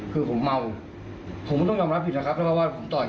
คือผมเมาผมก็ต้องยอมรับผิดนะครับเพราะว่าผมต่อย